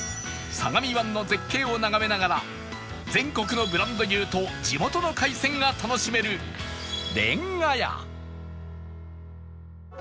相模湾の絶景を眺めながら全国のブランド牛と地元の海鮮が楽しめるれんが屋